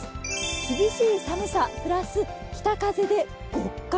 厳しい寒さ、プラス北風で極寒。